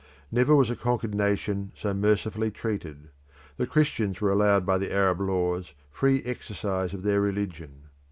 Never was a conquered nation so mercifully treated. The Christians were allowed by the Arab laws free exercise of their religion.